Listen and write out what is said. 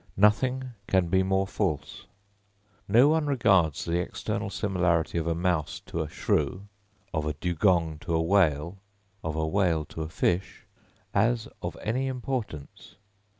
Nothing can be more false. No one regards the external similarity of a mouse to a shrew, of a dugong to a whale, of a whale to a fish, as of any importance.